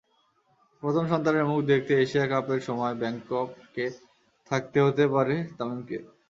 প্রথম সন্তানের মুখ দেখতে এশিয়া কাপের সময় ব্যাংককে থাকতে হতে পারে তামিমকে।